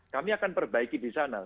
kami akan perbaiki di sana